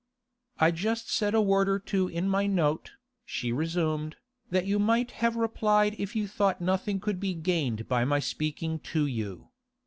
'I just said a word or two in my note,' she resumed, 'that you might have replied if you thought nothing could be gained by my speaking to you.